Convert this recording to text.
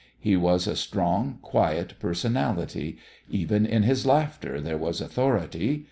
He was a strong, quiet personality; even in his laughter there was authority.